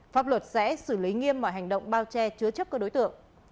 pháp luật sẽ xử lý nghiêm mọi hành động bao che chứa chấp các đối tượng